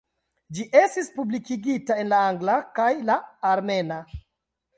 Ĝi estis publikigita en la angla kaj la armena.